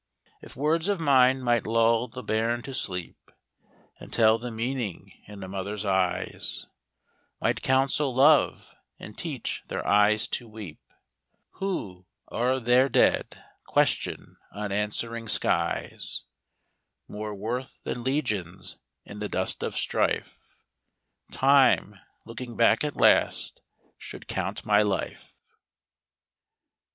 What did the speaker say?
If words of mine might lull the bairn to sleep, And tell the meaning in a mother's eyes; Might counsel love, and teach their eyes to weep Who, o'er their dead, question unanswering skies, More worth than legions in the dust of strife, Time, looking back at last, should count my life.